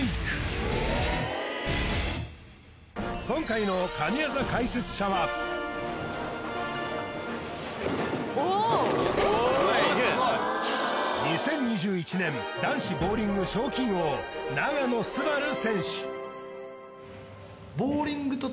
今回の２０２１年男子ボウリング賞金王永野すばる選手